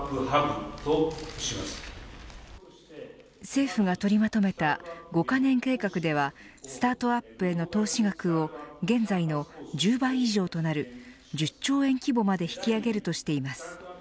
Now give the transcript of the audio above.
政府が取りまとめた５カ年計画ではスタートアップへの投資額を現在の１０倍以上となる１０兆円規模まで引き上げるとしています。